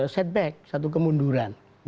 setback satu kemunduran